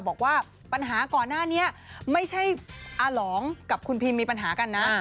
บอกว่าปัญหาก่อนหน้านี้ไม่ใช่อาหลองกับคุณพิมมีปัญหากันนะ